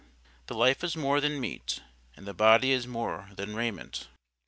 The life is more than meat, and the body is more than raiment.